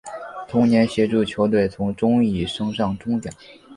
同年协助球队从中乙升上中甲。